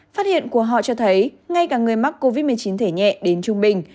phát hiện của họ cho thấy ngay cả người mắc covid một mươi chín thể nhẹ đến trung bình